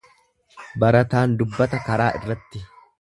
Barataan dubbata karaa irratti.